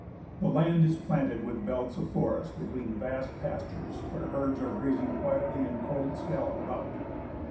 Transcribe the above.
The land is planted with belts of forest between vast pastures, where herds are grazing quietly and colts gallop about.